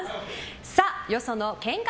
さあ、よその喧嘩